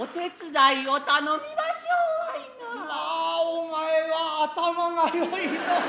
まあお前は頭が良いのう。